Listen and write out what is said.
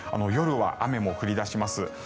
夜は雨も降り出します。